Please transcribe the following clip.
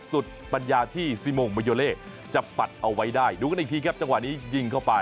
ปัญญาที่ซิมงเมโยเล่จะปัดเอาไว้ได้ดูกันอีกทีครับจังหวะนี้ยิงเข้าไป